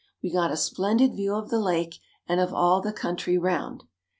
We got a splendid view of the lake and of all the country round.